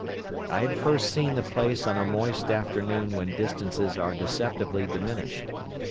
I had first seen the place on a moist afternoon when distances are deceptively diminished.